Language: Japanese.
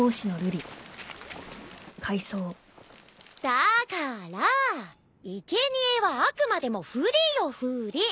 だからいけにえはあくまでもふりよふり